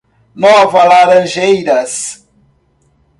Nova Laranjeiras